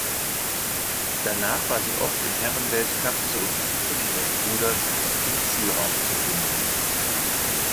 Danach war sie oft im Herren-Weltcup zur Unterstützung ihres Bruders im Zielraum zu finden.